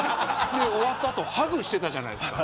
終わった後ハグしていたじゃないですか。